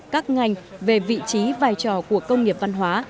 các ngành về vị trí vai trò của công nghiệp văn hóa